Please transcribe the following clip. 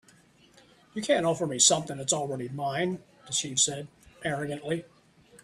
"You can't offer me something that is already mine," the chief said, arrogantly.